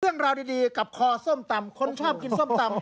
เรื่องราวดีกับคอส้มตำคนชอบกินส้มตำ